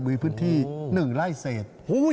บริพึ่งที่หนึ่งไร่เศษ